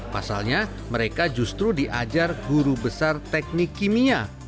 pasalnya mereka justru diajar guru besar teknik kimia